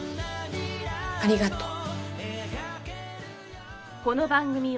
ありがとう。